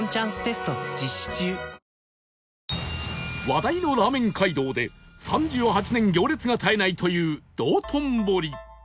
話題のラーメン街道で３８年行列が絶えないという道頓堀